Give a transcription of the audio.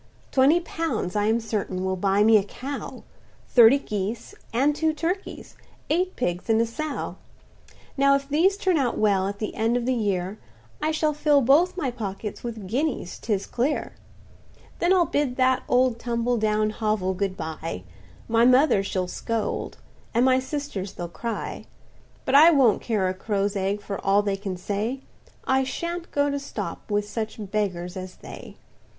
"Twenty pounds, I am certain, will buy me a cow, Thirty geese, and two turkeys—eight pigs and a sow; Now if these turn out well, at the end of the year, I shall fill both my pockets with guineas 'tis clear. "Then I'll bid that old tumble down hovel good bye; My mother she'll scold, and my sisters they'll cry: But I won't care a crow's egg for all they can say; I sha'n't go to stop with such beggars as they!"